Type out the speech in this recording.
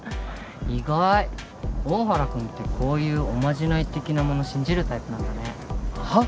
意外大原君ってこういうおまじない的なもの信じるタイプなんだねはあ！？